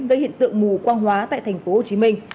gây hiện tượng mù quang hóa tại tp hcm